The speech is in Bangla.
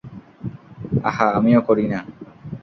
আহা, আমিও করি না!